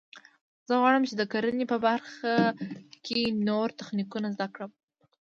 زه غواړم چې د کرنې په برخه کې نوي تخنیکونه زده کړم